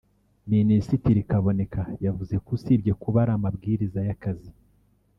Minisitiri Kaboneka yavuze ko usibye kuba ari amabwiriza y’akazi